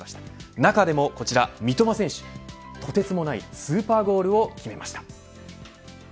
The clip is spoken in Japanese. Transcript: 中でもこちら三笘選手とてつもないスーパーゴールを決めました。